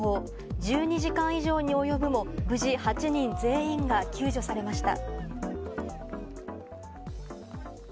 １２時間以上に及ぶも無事８人全員が救助されました。